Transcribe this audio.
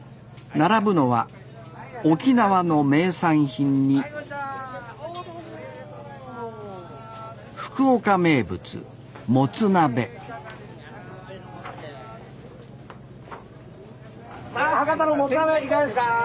並ぶのは沖縄の名産品に福岡名物もつ鍋さあ博多のもつ鍋いかがですか！